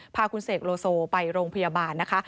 พาคุณเสกโลโซไปโรงพยาบาลนะคะ